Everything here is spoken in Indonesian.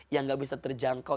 yang tidak bisa terjangkau